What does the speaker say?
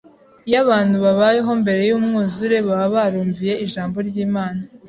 Iyo abantu babayeho mbere y’umwuzure baba barumviye ijambo ry’Imana,